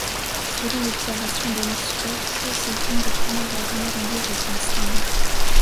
Selon l'observation d'Alice Coats, c'est une des premières jardinières anglaises à se distinguer.